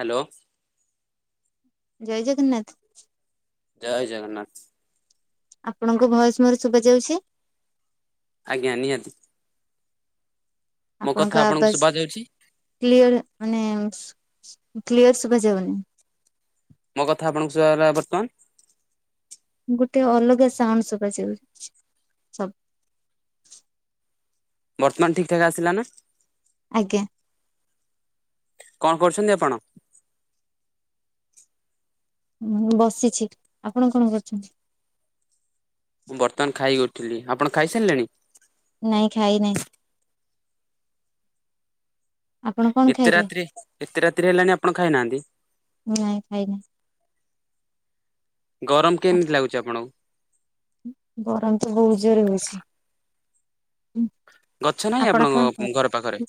Hello. ଜୟ ଜଗନ୍ନାଥ। ଜଏ ଜଗନ୍ନାଥ। ଆପଣଙ୍କୁ ଭଏସ ମୋର ଶୁଭ ଯାଉଛି ଆଜ୍ଞା ନିହାତି। ମୋ କଥା ଆପଣଙ୍କ ଆପଣଙ୍କୁ ଆବାସ ଶୁଭା ଯାଉଛି? କ୍ଲିୟର ମାନେ କ୍ଲିୟର ଶୁଭାଯିବନି। ମୋ କଥା ଆପଣଙ୍କୁ ସୂଭାଗଲା ବର୍ତ୍ତମାନ। ଗୋଟେ ଅଲଗା ସାଉଣ୍ଡ ସୁଭାଯାଉଛି ସବୁ। ବର୍ତ୍ତମାନ ଠିକ ଠାକ ଆସିଲା ନା। ଆଜ୍ଞା। କଣ କରୁଚନ୍ତି ଆପଣ? ବସିଛି ଆପଣ କଣ କରୁଚନ୍ତି? ମୁଁ ବର୍ତ୍ତମାନ ଖାଇକି ଉଥିଲି ଆପଣ ଖାଇସାରିଲେଣି ନାଇଁ ଖାଇ ନାହିଁ। ଆପଣ କଣ ଏତେ ଖାଇଲେ? ରାତିରେ ଏତେ ରାତିରେ ହେଲାଣି ଆପଣ ଖାଇନାହାନ୍ତି। ନାଇଁ ଖାଇନି ଗରମ କେମିତି ଲାଗୁଚି ଆପଣଙ୍କୁ? ହୁଁ। ଗଛ ନାହିଁ ଆପଣଙ୍କ ଘର ପାଖରେ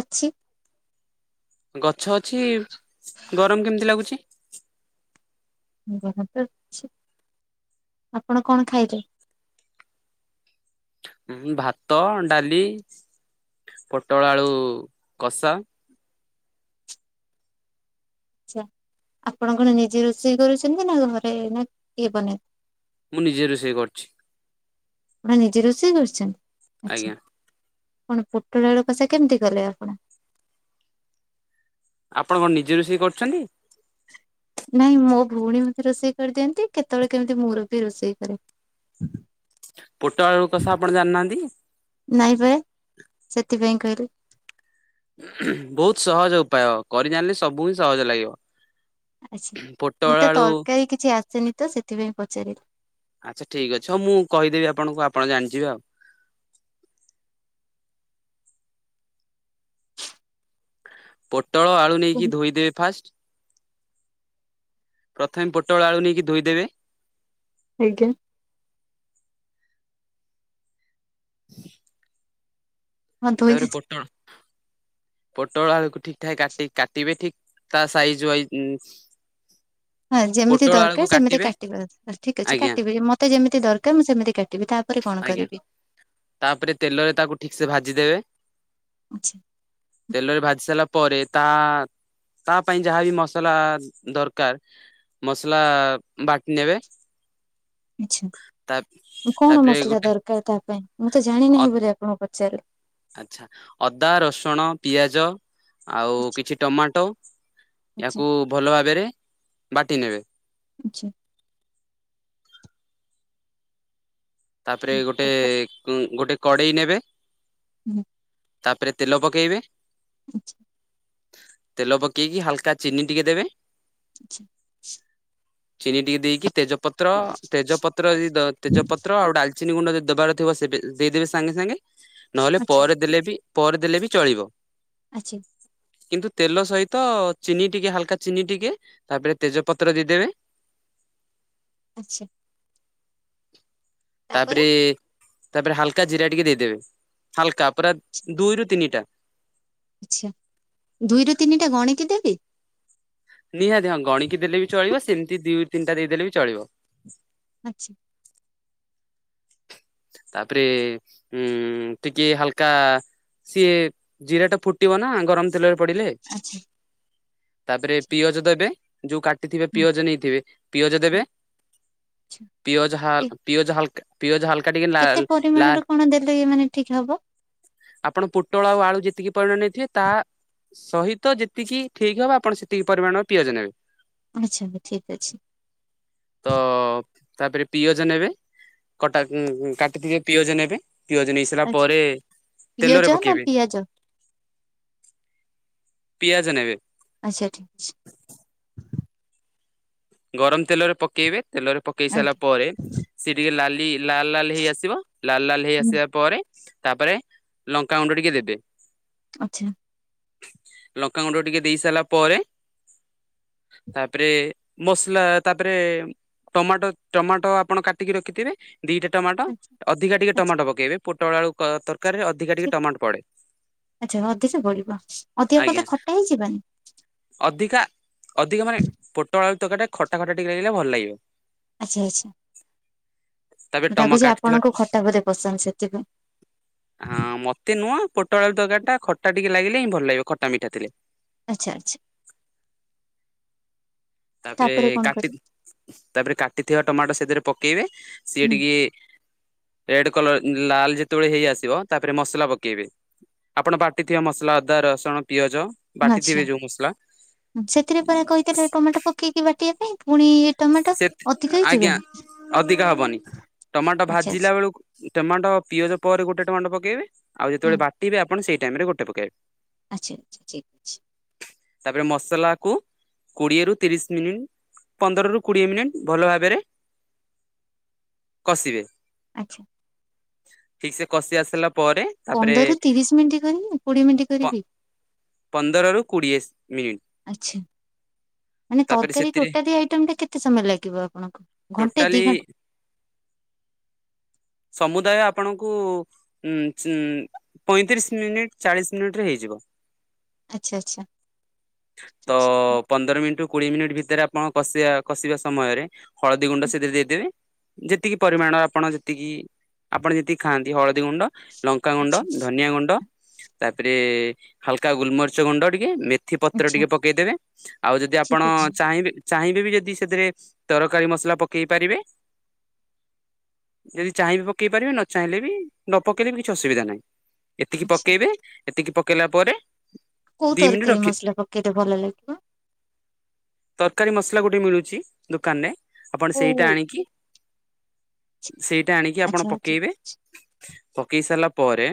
ଅଛି। ଗଛ ଅଛି ଗରମ କେମିତି ଲାଗୁଚି? [unintelligible] ଅଛି ଆପଣ କଣ ଖାଇଚ ଭାତ ଡାଲି ପୋଟଳ ଆଳୁ କଷା। ଆଛା ଆପଣ କଣ ନିଜେ ରୋଷେଇ କରୁଚନ୍ତି ନା ଘରେ ନା କିଏ ବନେଇ ମୁଁ ନିଜେ ରୋଷେଇ କରିଛି। ମ ନିଜେ ରୋଷେଇ କରୁଛ? ଆଜ୍ଞା। କଣ ପୋଟଳ ବେଳ କସା କେମିତି କଲେ ଆପଣ? ଆପଣ କଣ ନିଜେ ରୋଷେଇ କରୁଛନ୍ତି? ନାଇଁ ମୋ ଭଉଣୀ ମତେ ରୋଷେଇ କରିଦିଅନ୍ତି କେତେବେଳେ କେମିତି ମୋର ବି ରୋଷେଇ କରେ। ପୋଟଳକୁ କସା ଆପଣ ଜାଣିନାହାନ୍ତି? କରେ। ବହୁତ ସହଜ ଉପାୟ କରି ଜାଣିଲେ ସବୁ ହିଁ ସହଜ ଲାଗିବ। ଆଚ୍ଛା ପୋଟଳ ମତେ ଆଳୁ ତରକାରୀ କିଛି ଆସେନି ତ ସେଥିପାଇଁ ପଚାରିଲି। ଆଚ୍ଛା ଠିକ ଅଛି ହଉ ମୁଁ କହିଦେବି ଆପଣଙ୍କୁ ଆପଣ ଜାଣିଯିବେ ଆଉ। [inaudible] ପୋଟଳ ଆଳୁ ନେଇକି ଧୋଇଦେବେ ଫାଷ୍ଟ। ପ୍ରଥମେ ପୋଟଳ ଆଳୁ ନେଇକି ଧୋଇଦେବେ। ଆଜ୍ଞା। [inaudible] ହଁ ଧୋଇ ତାପରେ ପୋଟଳ ପୋଟଳ, ଆଳୁକୁ ଠିକ ଠାକ କାଟି କାଟିବେ ଠିକ ତା ସାଇଜ୍ ୱାଇଜ। ହଁ ଯେମିତି ଦରକାର ସେମିତି କାଟିବ ଠିକ ଅଛି ଆଜ୍ଞା କାଟି ମତେ ଯେମିତି ଦରକାର ମୁଁ ସେମିତି କାଟିବି। ତାପରେ କଣ ଆଜ୍ଞା କରିବି? ତାପରେ ତେଲରେ ତାକୁ ଠିକ ସେ ଭାଜି ଦେବେ। ଆଚ୍ଛା ତେଲରେ ଭାଜି ସାରିଲା ପରେ ତା ତା ପାଇଁ ଯାହାବି ମସଲା ଦରକାର ମସଲା ବାଟି ନେବେ। ତା ଆଚ୍ଛା କଣ ତାପରେ ମସଲା ଗୋଟେ ଦରକାର ତା ପାଇଁ? ମୁଁ ତ ଜାଣିିନାହିଁ ବୋଲି ଆପଣଙ୍କୁ ପଚାରିଲି। ଆଚ୍ଛା ଅଦା, ରସୁଣ, ପିଆଜ ଆଉ ଆଚ୍ଛା କିଛି ଟମାଟୋ। ଆଚ୍ଛା ୟାକୁ ଭଲ ଭାବରେ ବାଟି ନେବେ। ଆଚ୍ଛା। ତାପରେ ଗୋଟେ ତାପରେ ଗୋଟେ କଡେଇ ନେବେ। ହୁଁ। ତାପରେ ତେଲ ପକେଇବେ। ଆଚ୍ଛା। ତେଲ ପକେଇକି ହାଲକା ଚିନି ଟିକେ ଦେବେ। ଆଚ୍ଛା। ଚିନି ଟିକେ ଦେଇକି ତେଜପତ୍ର ତେଜପତ୍ର ଯ ତେଜପତ୍ର ଗୋଟ ଡାଲଚିନି ଗୁଣ୍ଡ ଯ ଦେବାର ଥିବ ସେବେ ଦେଇଦେବେ ସାଙ୍ଗେ ସାଙ୍ଗେ ନହେଲେ ଆଚ୍ଛା ପରେ ଦେଲେ ବି ପରେ ଦେଲେ ବି ଚଳିବ। ଆଛି। କିନ୍ତୁ ତେଲ ସହିତ ଚିନି ଟିକେ ହାଲକା ଚିନି ଟିକେ ତାପରେ ତେଜପତ୍ର ଦେଇଦେବେ। [unintelligible] ଆଚ୍ଛା। ତାପରେ ତାପରେ ହାଲକା ଜିରା ଟିକେ ଦେଇଦେବେ ହାଲକା ପୁରା ଦୁଇରୁୁ ତିନିଟା। ଆଚ୍ଛା । ନିହାତି ହଁ ଗଣିକି ଦେଲେ ବି ଚଳିବ ସେମିତି ଦି ତିନିଟା ଦେଇଦେଲେ ବି ଚଳିବ। ଆଚ୍ଛା। ତାପରେ ଉ ଟିକେ ହାଲକା ସିଏ ଜିରା ଟା ଫୁଟିବ ନା ଗରମ ତେଲ ପଡିଲେ [unintelligible] ଆଚ୍ଛା। ଥିବେ ହୁଁ ପିଓଜ ନେଇଥିବେ ପିଓଜ ଦେବେ ଆଚ୍ଛା ପିଓଜ କେ- ପିଓଜ ହାଲକା। ପିଆଜ ହାଲକା ଟିକେ କେତେ ଲାଲ ପରିମାଣ ଲାଲ ର କଣ ଦେଲେ ମାନେ ଠିକ ହବ? ଆପଣ ପୋଟଳ ଆଉ ଆଳୁ ଯେତିକି ପରିମାଣ ନେଇଥିବେ ତାହା ସହିତ ଯେତିକି ଠିକ ହବ ଆପଣ ସେତିକି ପରିମାଣର ପିଆଜ ନେବେ। ଆଛା ଆ ଠିକ ତ ଅଛି। ତାପରେ ପିଆଜ ନେବେ, କଟା କାଟି ଥୀବା ପିଓଜ ନେବେ ପିଆଜ ନେଇ ସାରିଲା ଆଚ୍ଛା ପରେ, ପିଓଜ ତେଲରେ ନା ପକେଇବେ। ପିଆଜ ପିଆଜ ନେବେ ଆଚ୍ଛା ଠିକ୍ ଅଛି। ଗରମ ତେଲ ରେ ପକେଇବେ ତେଲରେ ପକେଇ ସାରିଲା ଆଜ୍ଞା ପରେ ସେ ଟିକେ ଲାଲି ଲାଲ ଲାଲ ହେଇ ଆସିବ ଲାଲ ଲାଲ ହେଇ ହୁଁ ଆସିବା ପରେ ତାପରେ ଲଙ୍କାାଗୁଣ୍ଡ ଟିକେ ଦେବେ। ଆଚ୍ଛା। ଲଙ୍କାାଗୁଣ୍ଡ ଟିକେ ଦେଇ ସାରିଲା ପରେ, ତାପରେ ମସଲା, ତାପରେ ଟମାଟୋ ଟମାଟୋ ଆପଣ କାଟିକି ରଖିଥିବେ ଦିଟା ଟମାଟୋ ଆଚ୍ଛା ଅଧିକା ଟିକେ ଆଚ୍ଛା ଟମାଟୋ ପକେଇବେ ପୋଟ ବଳୁ ତରକାରୀରେ ଅଧିକା ଟିକେ ଠିକ ଟମାଟୋ ପଡେ। ଆଚ୍ଛା ଅଧିକା ବଢିବ ଅଧିକା କଦେ ଆଜ୍ଞା ଖଟା ହେଇଯିବାନି। ଅଧିକା ଅଧିକା ମାନେ ପୋଟ ଆଳୁ ତକା ଟା ଖଟା ଖଟା ଟିକେ ଲାଗିଲେ ଭଲ ଲାଗିବ। ଆଚ୍ଛା ଆଚ୍ଛା। ତାପରେ ଟମା ଭାବୁଛି କାଟିଥିବା ଆପଣଙ୍କୁ ଖଟା ବୋଧେ ପସନ୍ଦ ସେଥିପାଇଁ। ହଁ, ମତେ ନୁହଁ ପୋଟଳ ଆଳୁ ତରକାରୀ ଟା ଖଟା ଟିକେ ଲାଗିଲେ ହିଁ ଭଲ ଲାଗିବ ଖଟା ମିଠା ଥିଲେ। ଆଚ୍ଛା ଆଚ୍ଛା। ତାପରେ କଣ କାଟି କରିବି? ତାପରେ କାଟିଥିବା ଟମାଟୋ ସେଥିରେ ପକେଇବେ ହୁଁ ସିଏଟିକେ ରେଡ କଲର ଲାଲ ଯେତେବେଳେ ହେଇ ଆସିବ ତାପରେ ମସଲା ପକେଇବେ। ଆପଣ ବାଟିଥିବ ମସଲା ଅଦା, ରସୁଣ, ପିଆଜ ଆଚ୍ଛା ବାଟିଥିବେ ଯୋଉ ମସଲା ହୁଁ, ସେଥିରେ ପରା କହିଥିଲେ ଟମାଟୋ ପକେଇକି ବାଟିବା ପାଇଁ ପୁଣି ଟମାଟୋ ସେ ଅଧିକ ଆଜ୍ଞା ହେଇଯିବନି ଅଧିକା ହବନି। ଟମାଟୋ ଆଚ୍ଛା ଆଚ୍ଛା ଭାଜିଲା ବେଳକୁ ଟମାଟୋ ପିଆଜ ପରେ ଗୋଟେ ଟମାଟୋ ପକେଇବେ ଆଉ ହୁଁ ଯେତେବେଳେ ବାଟିବେ ଆପଣ ସେଇଠା ଟାଇମ ରେ ଗୋଟେ ପକାଇବ। ଆଚ୍ଛା ଆଛା ଠିକ୍ ଅଛି। ତାପରେ ମସଲା କୁ କୋଡିଏ ରୁ ତିରିଶ ମିନିଟ ପନ୍ଦର ର କୋଡିଏ ମିନିଟ ଭଲ ଭାବରେ କଷିବେ ଆଚ୍ଛା। ଠିକ ସେ କଷି ଆସିଲା ପରେ ତାପରେ ପନ୍ଦର ରୁ ତିରିଶ ମିନିଟ କରିବି କୋଡିଏ ମିନିଟ୍ କରିବି। ପନ୍ଦରରୁ କୋଡ଼ିଏ ମିନିଟ୍। ଆଚ୍ଛା। ମାନେ ତାପରେ ତରକାରୀ ସେଥିରେ ଟୋଟାଲ ଆଇଟମ ଟା କେତେ? କେତେ ସମୟ ଲାଗିବ ଆପଣଙ୍କୁ ଘଣ୍ଟେ ଟୋଟାଲି ଦି ଘଣ୍ଟା। ୃଦୟ ଆପଣଙ୍କୁ ଉ ପଇଁତିରିଶ ମିନିଟ ଚାଳିଶ ମିନିଟ ରେ ହେଇଯିବ। ଆଚ୍ଛା ଆଚ୍ଛା ଠିକ୍ ତ ଅଛି। ପନ୍ଦର ମିନିଟରୁ କୋଡିଏ ମିନିଟ୍ ଭିତରେ ଆପଣ କସିବା କଷିବା ସମୟରେ ହଳଦୀ ଗୁଣ୍ଡ ସେଥିରେ ଦେଇଦେବେ। ଯେତିକି ପରିମାଣ ଆପଣ ଯେତିକି ଆପଣ ଯେତିକି ଖାଆନ୍ତି ହଳଦୀ ଗୁଣ୍ଡ ଲଙ୍କା ଗୁଣ୍ଡ ଆଚ୍ଛା ଧନିଆ ଗୁଣ୍ଡ ତାପରେ ହାଲକା ଗୁଲମରିଚ ଗୁଣ୍ଡ ଟିକେ ଏଥି ପତ୍ର ଆଚ୍ଛା ଟିକେ ପକେଇଦେବେ ଆଉ ଯଦି ଆପଣ ଠିକ ଅଛି। ଚାହିଁବେ ଚାହିଁବେ ବି ଯଦି ସେଥିରେ ତରକାରୀ ମସଲା ପକେଇ ପାରିବେ ଯଦି ଚାହିଁବ ପକେଇ ପାରିବେ ନ ଚାହିଁଲେ ବି ନ ପକେଇଲେ ବି କିଛି ଅସୁବିଧା ନାହିଁ। ଏତିକି ଆଚ୍ଛା ପକେଇବେ ଏତିକି ପକେଇଲା ପରେ କୋଉ ଦି ମିନିଟ୍ ତରକାରୀ ରଖି ମସଲା ପକେଇଲେ ଭଲ ଲାଗିବ। ତରକାରୀ ମସଲା ଗୋଟେ ମିଳୁଚି ଦୋକାନରେ ଆପଣ ସେଇଟା କୋଉ ଆଣିକି ସେଇଟା ଆଣିକି ଆପଣ ଆଚ୍ଛା ଠିକ ପକେଇବେ ପକେଇ ସାରିଲା ପରେ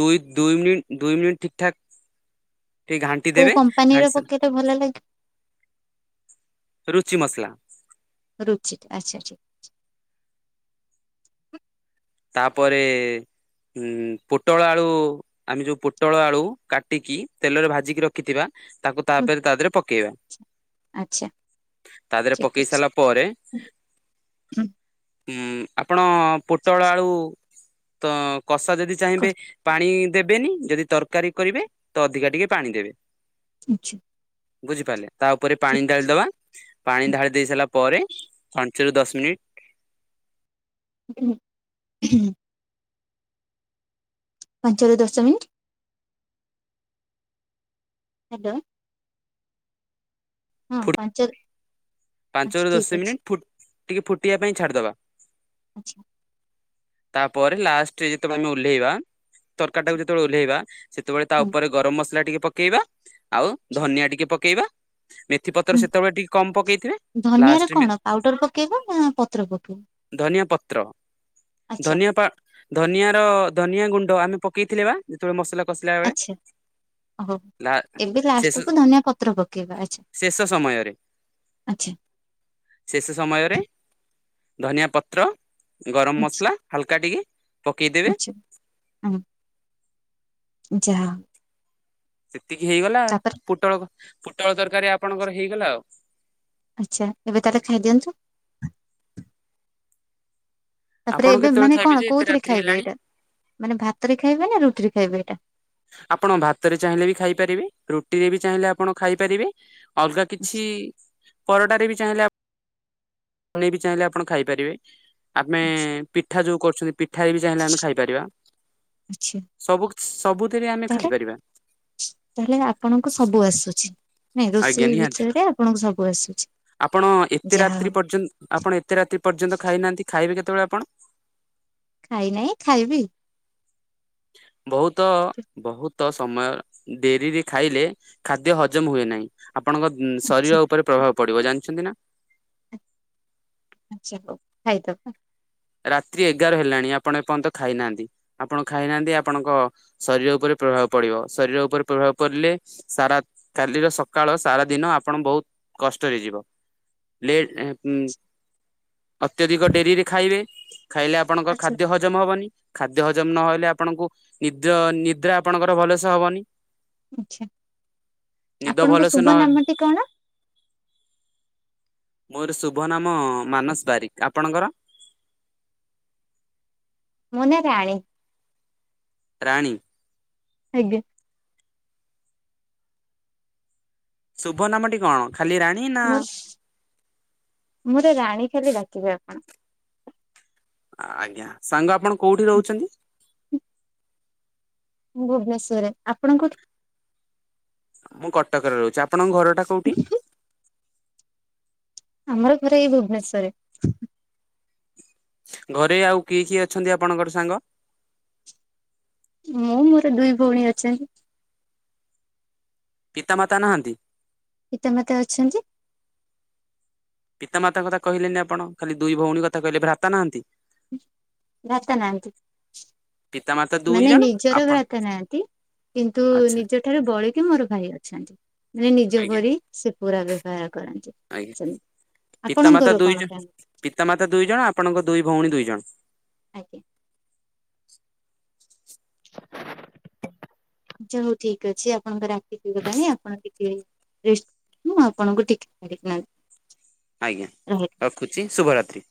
ଦୁଇ ଦୁଇ ମିନିଟ ଦୁଇ ମିନିଟ ଠିକ୍ ଠାକ୍ ଟିକେ ଘାଣ୍ଟି କୋଉ ଦେବେ କମ୍ପାନୀର ଘାଣ୍ଟି ସା ପକେଇଲେ ଭଲ ଲାଗିବ ରୁଚି ମସଲା। ରୁଚି ଆଚ୍ଛା ଆଚ୍ଛା। ତାପରେ ହୁଁ ପୋଟଳ ଆଳୁ ଆମେ ଯୋଉ ପୋଟଳ ଆଳୁ କାଟିକି ତେଲରେ ଭାଜିକି ରଖିଥିବା। ତାକୁ ହୁଁ ତାପରେ ତା ଦେହରେ ପକେଇବା। ଆଚ୍ଛା ତା ଦେହରେ ପକେଇ ସାରିଲା ପରେ ହୁ। ଉଁ ଆପଣ ପୋଟଳ ଆଳୁ ତ କଷା ଯଦି କ- ଚାହିଁବେ ପାଣି ଦେବେନି ଯଦି ତରକାରୀ କରିବେ ତ ଅଧିକା ଟିକେ ପାଣି ଦେବେ। ଆଛା। ବୁଝିପାରିଲେ ତା ଉପରେ ପାଣି ଢାଳିଦବା ପାଣି ଢାଳି ଦେଇ ସାରିଲା ପରେ ପା ଚରୁ ଦଶ ମିନିଟ୍ ହ ହୁଁ ଉଁ। ପାଞ୍ଚରୁ ଦଶମିନିଟ୍ ହହାଲୋ। ହଁ ଫୁ ପାଞ୍ଚ ରୁ ପାଞ୍ଚରୁ ଦଶ ମିନିଟ୍ ଫୁ-ଟିକେ ଫୁଟିବା ପାଇଁ ଛାଡିଦବା। ଆଚ୍ଛା। ତାପରେ ଲାଷ୍ଟରେ ଯେତ ମାନେ ଆମେ ଓହ୍ଲେଇବା ତରକାର ଆଚ୍ଛା ଟାକୁ ଯେତେବେଳେ ଓହ୍ଲେଇବା ସେତେବେଳେ ତା ହଁ ଉପରେ ଗରମ ମସଲା ଟିକେ ପକେଇବା ଆଉ ଆଚ୍ଛା ଧନିଆ ଟିକେ ପକେଇବା। ମେଥି ପତ୍ର ହୁଁ। ସେତେବେଳେ ଟିକେ କମ ପକେଇଥିବେ। ଧନିଆରେ ଲାଷ୍ଟରେ କଣ ପାଉଡର ପକେଇବ ନା ପତ୍ର ପକେଇବ? ନିଆ ପତ୍ର ଧନିଆ-ପା ଧନିଆ ର ଧନିଆ ଗୁଣ୍ଡ ଆମେ ପକେଇଥିଲେ ବା ଯେତେବେଳେ ମସଲା କଷିଲା ବେଳେ। ଆଚ୍ଛା ଓହୋ ଲା ଏବେ ଶେଷ ଲାଷ୍ଟକୁୁ ଧନିଆ ପତ୍ର ପକେଇବା ଆଚ୍ଛା ଶେଷ ସମୟରେ ଆଚ୍ଛା ଶେଷ ସମୟରେ ଧନିଆ ପତ୍ର। ଗରମ ମସଲା ହାଲକା ଟିକେ। ପକେଇଦେବେ ଆଚଛା ହଁ ଯାହା ଏତିକି ହେଇଗଲା ତାପରେ ପୋଟଳ ପୋଟଳ ତରକାରୀ ଆପଣଙ୍କର ହେଇଗଲା ଆଉ। ଆଚ୍ଛା ଏବେ ତାହଲେ ଖାଇଦିଅନ୍ତୁ। ତାପରେ ଆପଣ ଏବେ କେତେବେଳେ ମାନେ ଖାଇବେ କଣ ଯେ ଏତେ କୋଉଥିରେ ରାତ୍ରି ଖାଇବେ ହେଲାଣି ଏଇଟା ମାନେ ଭାତରେ ଖାଇବେ ନା ରୁଟିରେ? ଖାଇବେ ଏଟା। ଆପଣ ଭାତରେ ଚାହିଁଲେ ବି ଖାଇପାରିବେ ରୁଟିରେ ବି ଚାହିଁଲେ ଆପଣ ଖାଇପାରିବେ। ଅଲଗା ଆଚ୍ଛା କିଛି ପରଟାରେ ବି ଚାହିଁଲେ ଆ ଣ ବି ଚାହିଁଲେ ଆପଣ ଖାଇପାରିବେ ଆମେ ଆଚ୍ଛା ପିଠା ଯୋଉ କରୁଛନ୍ତି ପି ଠାରେ ବି ଚାହିଁଲେ ଆମେ ଖାଇପାରିବା ଆଚ୍ଛା ସବୁ କି ସବୁଥିରେ ଆମେ ତାହେଲେ ଖାଇପାରିବା। ତାହେଲେ ଆପଣଙ୍କୁ ସବୁ ଆସୁଚି ନାଇଁ ଆଜ୍ଞା ରୋଷେଇ ନିହାତି ବିଷୟରେ ଆପଣଙ୍କୁ ସବୁ ଆସୁଚି? ଆପଣ ଏତେ ରାତ୍ରି ପର୍ଯ୍ୟନ୍ତ ଆପଣ ଏତେ ରାତ୍ରି ପର୍ଯ୍ୟନ୍ତ ଖାଇନାହାନ୍ତି ଖାଇବେ କେ ତବେଳେ ଆପଣ ଖାଇ ନାଇଁ ଖାଇବି। ଆ ବହୁତ ବହୁତ ସମୟ ଡେରିରେ ଖାଇଲେ ଖାଦ୍ୟ ହଜମ ହୁଏ ନାଇଁ। ଆପଣଙ୍କ ଆଚ୍ଛା ଶରୀର ଉପରେ ପ୍ରଭାବ ପଡିବ ଜାଣିଚନ୍ତି ନା। ଆଛା ହଉ ଖାଇଦବା। ରାତ୍ରି ଏଗାର ହେଲାଣି ଆପଣ ଏପର୍ଯ୍ୟନ୍ତ ଖାଇନାହାନ୍ତି ।ଆପଣ ଖାଇନାହାନ୍ତି ଆପଣଙ୍କ ଶରୀର ଉପରେ ପ୍ରଭାବ ପଡିବ ଶରୀର ଉପରେ ପ୍ରଭାବ ପଡିଲେ ସାରା କାଲିର ସକାଳ ସାରା ଦିନ ଆପଣ ବହୁତ କଷ୍ଟରେ ଯିବ। ଲେ-ଉ-ଉଁ ଅତ୍ୟଧିକ ଡେରିରେ ଖାଇ ଖାଇଲେ ଆପଣଙ୍କ ଆଚ୍ଛା ଖାଦ୍ୟ ହଜମ ହବନି। ଖାଦ୍ୟ ହଜମ ନହଲେ, ଆପଣଙ୍କୁ ନିଦ୍ର ନିଦ୍ରା ଆପଣଙ୍କର ଭଲସେ ହବନି। ଆଛା, ନିଦ ଆପଣଙ୍କ ଭଲସେ ଶୁଭ ନହେଲେ ନାମଟି କଣ? ମୋର ଶୁଭ ନାମ ମାନସ ବାରିକ। ଆପଣଙ୍କର? ମୋ ନା ରାଣୀ। ରାଣୀ! ଆଜ୍ଞା, ଶୁଭ ନାମଟି କଣ ଖାଲି ରାଣୀ ନା? ମୁଁରେ ରାଣୀ ଖାଲି ଡାକିବେ ଆପଣ। ଆଜ୍ଞା, ସାଙ୍ଗ ଆପଣ କୋଉଠି ରହୁଛନ୍ତି? ଭୁବନେଶ୍ଵରରେ। ଆପଣ କୋଉଠି? ମୁଁ କଟକରେ ରହୁଛି। ଆପଣଙ୍କ ଘର ଟା କୋଉଠି? ଆମର ପୁରା ଏଇ ଭୁବନେଶ୍ଵରରେ। ଘରେ ଆଉ କିଏ କିଏ ଅଛନ୍ତି ଆପଣଙ୍କର ସାଙ୍ଗ? ମୁଁ ମୋର ଦୁଇ ଭଉଣୀ ଅଛନ୍ତି। ପିତାମାତା ନାହାଁନ୍ତି। ପିତା ମାତା ଅଛନ୍ତି। ପିତାମାତାଙ୍କ କଥା କହିଲେନି ଆପଣ! ଖାଲି ଦୁଇ ଭଉଣୀ କଥା କହିଲେ, ଭ୍ରାତା ନାହାଁନ୍ତି। ଭ୍ରାତା ନାହାଁନ୍ତି। ପିତାମାତା ଦୁଇ ମାନେ ଜଣ ନିଜର ଆପଣ ଭ୍ରତା ନାହାଁନ୍ତି। କିନ୍ତୁ ଆଚ୍ଛା ନିଜ ଠାରୁ ବଳି କି ମୋର ଭାଇ ଅଛନ୍ତି? ମାନେ ନିଜ ଆଜ୍ଞା ପରି ସେ ପୁରା ବ୍ୟବହାର କରନ୍ତି, ଆଜ୍ଞା ସେମତି। ପିତାମାତା ଦୁଇ ଜ ପିତାମାତା ଦୁଇ ଜଣ, ଆପଣଙ୍କ ଦୁଇ ଭଉଣୀ ଦୁଇ ଜଣ। ଆଜ୍ଞା। ଛା ହଉ ଠିକ୍ ଅଛି। ଆପଣଙ୍କର ରାଖି ହେଇଗଲାଣି ଆପଣ ଟିକେ ରେଷ୍ଟ ନିଅ। ଆପଣଙ୍କୁ ଟିକେ ଛାଡିକିନା ଆଜ୍ଞା, ରହିଲି। ରଖୁଛି ଶୁଭରାତ୍ରି।